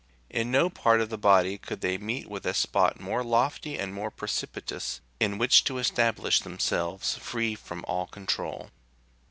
In no part of the body could they meet with a spot more lofty and more precipitous, in which to establish themselves free from all control.